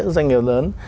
doanh nghiệp lớn